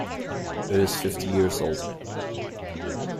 It is fifty years old.